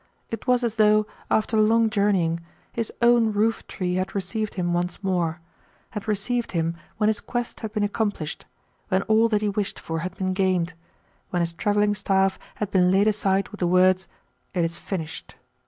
It was as though, after long journeying, his own roof tree had received him once more had received him when his quest had been accomplished, when all that he wished for had been gained, when his travelling staff had been laid aside with the words "It is finished."